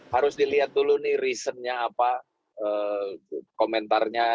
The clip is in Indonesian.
harus dilihat dulu nih reason nya apa